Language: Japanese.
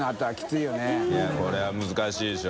いやこれは難しいでしょ。